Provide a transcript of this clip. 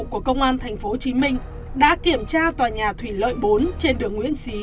của công an tp hcm đã kiểm tra tòa nhà thủy lợi bốn trên đường nguyễn xí